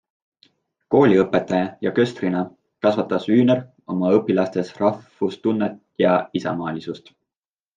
Kooliõpetaja ja köstrina kasvatas Wühner oma õpilastes rahvustunnet ja isamaalisust.